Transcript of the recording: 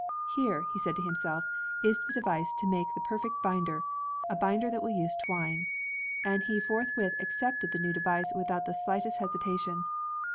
"Here," he said to himself, "is the device to make the perfect binder, a binder that will use twine." And he forthwith accepted the new device without the slight est hesitation.